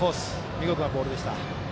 見事なボールでした。